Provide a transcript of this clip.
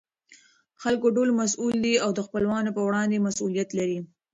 خلکو ټول مسئوول دي او دخپلوانو په وړاندې مسئولیت لري.